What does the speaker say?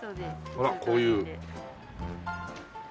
ほらこういう。